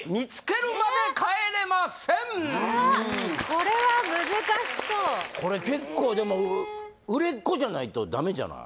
これは難しそうこれ結構でも売れっ子じゃないとダメじゃない？